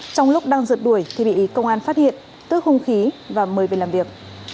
trong lúc đang rượt đuổi thì bị công an phát hiện tước hung khí và mời về làm việc